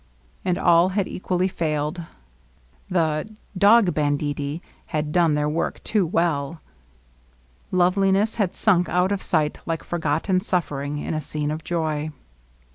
And all had equally failed. The ^Mog banditti " had done their work too well. Loveliness had sunk out of sight like forgotten suffering in a scene of joy.